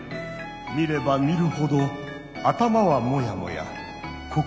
見れば見るほど頭はモヤモヤ心もモヤモヤ。